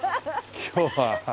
今日は。